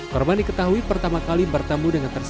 korban diketahui pertama kali bertemu dengan tersangka